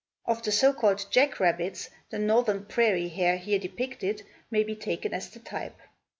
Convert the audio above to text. Of the so called jack rabbits the northern prairie hare here depicted may be taken as the type.